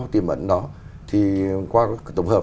tìm ẩn đó thì qua tổng hợp